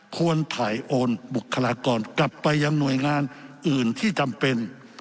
ควรถ่ายโอนบุคลากรกลับไปยังหน่วยงานอื่นที่จำเป็น